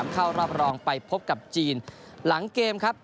เข้ารอบรองไปพบกับจีนหลังเกมครับ